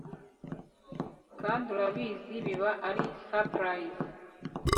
kandi urabizi biba ari surprise! ,